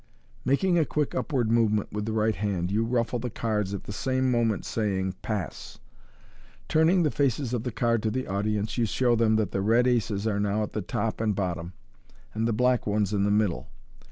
Making a quick upward movement with the right hand, you ruffle the cards, at the same moment saying, " Pass !" Turning the faces of the card to the audience, you show them that the red aces are now at top and bottom, and the black ones in the middle.